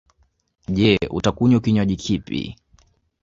Je, utakunya kinwaji kipi?